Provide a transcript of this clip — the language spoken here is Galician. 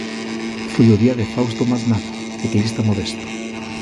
Foi o día de Fausto Masnada, ciclista modesto.